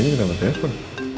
andi ini kenapa telfon